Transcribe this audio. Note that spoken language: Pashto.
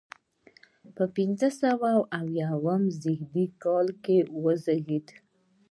په پنځه سوه اویا زیږدي کال وزیږېد.